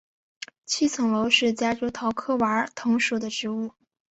七层楼是夹竹桃科娃儿藤属的植物。